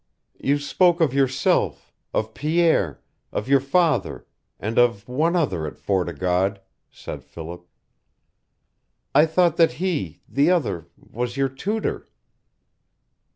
"You spoke of yourself, of Pierre, of your father, and of one other at Fort o' God," said Philip. "I thought that he the other was your tutor."